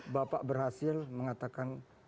bapak berhasil mengatakan